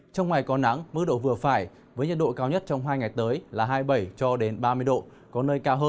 trong ngày còn nắng mức độ vừa phải với nhiệt độ cao nhất trong hai ngày tới là hai mươi bảy cho đến ba mươi độ